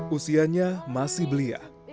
usianya masih belia